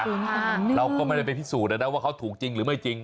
ศูนย์สามหนึ่งเราก็ไม่ได้ไปพิสูจน์เลยนะว่าเขาถูกจริงหรือไม่จริง